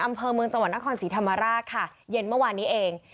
อำเภอเมืองจังหวัดนครศรีธรรมราชค่ะเย็นเมื่อวานนี้เอง